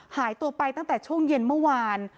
หายตัวไปตั้งแต่ช่วงเย็นเมื่อวาน